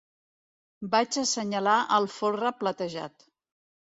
Vaig assenyalar el folre platejat.